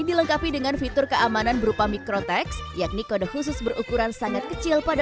dilengkapi dengan fitur keamanan berupa mikrotex yakni kode khusus berukuran sangat kecil pada